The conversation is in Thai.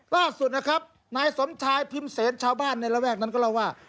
ล่าสุดนะครับนายสมชายพิมพ์เสนชาวบ้านในระแวกนั้นก็เล่าว่า